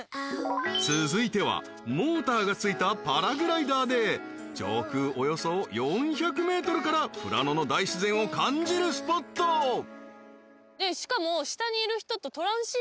［続いてはモーターがついたパラグライダーで上空およそ４００ｍから富良野の大自然を感じるスポット］しかも。